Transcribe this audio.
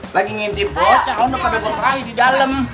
lagi ngintip bocah ono kadang berperahi di dalam